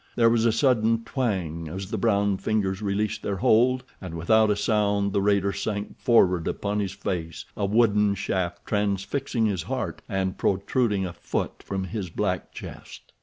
There was a sudden twang as the brown fingers released their hold, and without a sound the raider sank forward upon his face, a wooden shaft transfixing his heart and protruding a foot from his black chest.